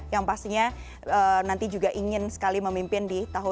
yang pastinya nanti juga ingin sekali memimpin di tahun dua ribu dua puluh